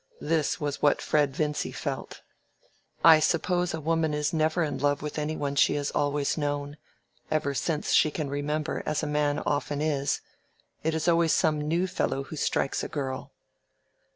This was what Fred Vincy felt. "I suppose a woman is never in love with any one she has always known—ever since she can remember; as a man often is. It is always some new fellow who strikes a girl."